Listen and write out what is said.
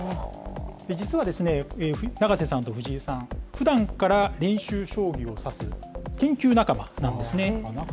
実はですね、永瀬さんと藤井さん、ふだんから練習将棋を指す研究仲間なんですね。